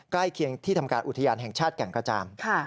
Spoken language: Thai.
ใกล้เคียงที่ทำการอุทยานแห่งชาติแก่งกระจาม